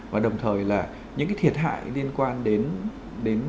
và đồng thời là những thiệt hại liên quan